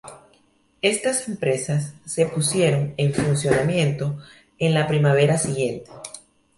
Estas empresas se pusieron en funcionamiento en la primavera siguiente.